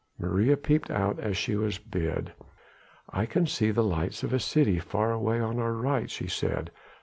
Maria peeped out as she was bid. "I can see the lights of a city far away on our right," she said.